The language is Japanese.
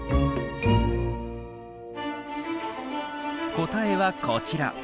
答えはこちら。